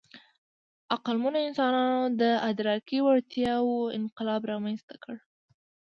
عقلمنو انسانانو د ادراکي وړتیاوو انقلاب رامنځ ته کړ.